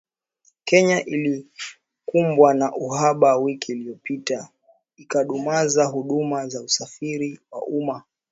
Kenya ilikumbwa na uhaba wiki iliyopita, ikidumaza huduma za usafiri wa umma